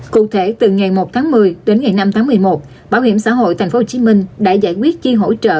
cụ thể từ ngày một tháng một mươi đến ngày năm tháng một mươi một bảo hiểm xã hội tp hcm đã giải quyết chi hỗ trợ